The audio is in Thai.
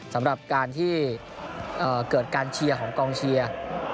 สำหรับการที่เกิดการเชียร์ของกองเชียร์